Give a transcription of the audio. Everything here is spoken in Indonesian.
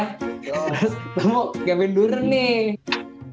terus ketemu kevin duren nih